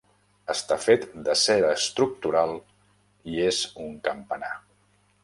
Està fet d'acer estructural i és un campanar.